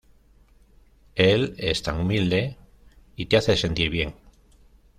Él es tan humilde y te hace sentir bien.